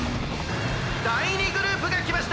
だい２グループがきました！